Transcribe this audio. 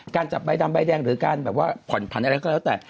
จับใบดำใบแดงหรือการแบบว่าผ่อนผันอะไรก็แล้วแต่